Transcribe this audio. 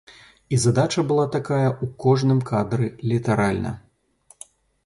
І задача была такая ў кожным кадры літаральна.